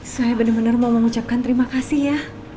saya benar benar mau mengucapkan terima kasih ya